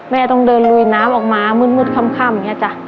ต้องเดินลุยน้ำออกมามืดค่ำอย่างนี้จ้ะ